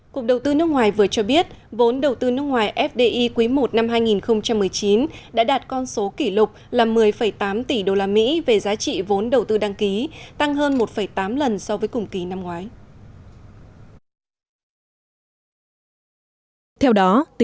cục đầu tư nước ngoài vừa cho biết vốn đầu tư nước ngoài fdi quý i năm hai nghìn một mươi chín đã đạt con số kỷ lục là một mươi tám tỷ usd về giá trị vốn đầu tư đăng ký tăng hơn một tám lần so với cùng kỳ năm ngoái